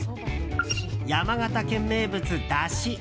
山形県名物、だし。